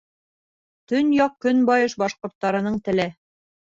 Төньяҡ-көнбайыш башҡорттарының теле.